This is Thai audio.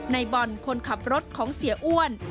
ในบอลคนขับรถของเสียอ้วน